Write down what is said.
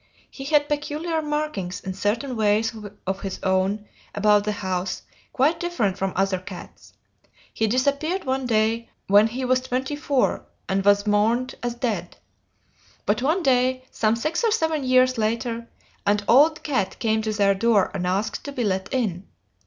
He had peculiar markings and certain ways of his own about the house quite different from other cats. He disappeared one day when he was twenty four, and was mourned as dead. But one day, some six or seven years later, an old cat came to their door and asked to be let in.